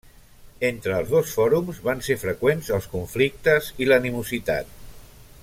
Entre els dos fòrums, van ser freqüents els conflictes i l'animositat.